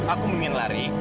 aku mau lari